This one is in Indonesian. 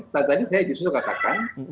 tadi saya justru katakan